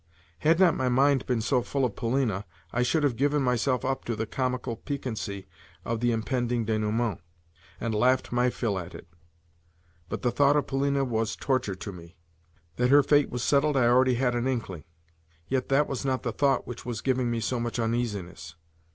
Had not my mind been so full of Polina, I should have given myself up to the comical piquancy of the impending denouement, and laughed my fill at it. But the thought of Polina was torture to me. That her fate was settled I already had an inkling; yet that was not the thought which was giving me so much uneasiness.